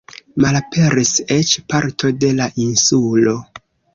Malaperis eĉ parto de la insulo.